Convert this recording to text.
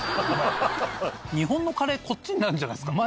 日本のカレーこっちになるんじゃないっすか？